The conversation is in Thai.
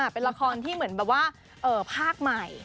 เป็นละครที่เหมือนแบบว่าภาคใหม่